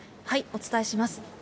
お伝えします。